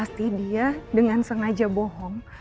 pasti dia dengan sengaja bohong